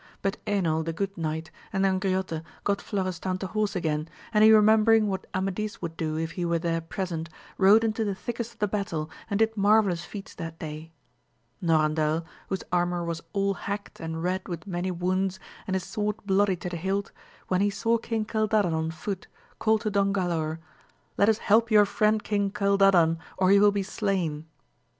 But Enil the good knight and Angriote got Florestan to horse again, and he remem bering what Amadis would do if he were there present, rode into the thickest of the battle, and did marvellous feats that day. Norandel, whose armour was all hacked and red with many wounds, and his sword bloody to the hilt, when he saw King Cildadan on foot, called to Don Galaor, let us help your friend King Cildadan, or he will be slain.